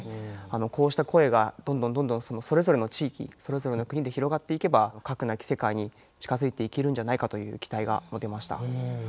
こうした声がどんどんどんどんそれぞれの地域それぞれの国で広がっていけば“核なき世界”に近づいていけるんじゃないかという期待が持てました。